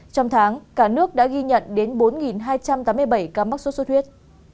trong tháng cả nước đã ghi nhận đến bốn hai trăm tám mươi bảy ca mắc sốt xuất huyết